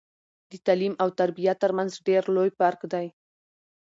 د تعليم او تربيه ترمنځ ډير لوي فرق دی